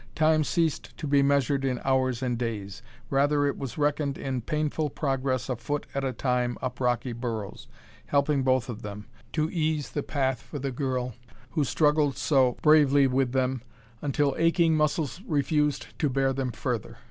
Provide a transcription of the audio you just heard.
Time ceased to be measured in hours and days; rather was it reckoned in painful progress a foot at a time up rocky burrows, helping, both of them, to ease the path for the girl who struggled so bravely with them, until aching muscles refused to bear them further.